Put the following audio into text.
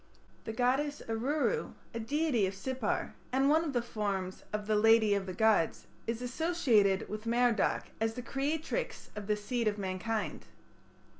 The goddess Aruru, a deity of Sippar, and one of the forms of "the lady of the gods ", is associated with Merodach as the creatrix of the seed of mankind.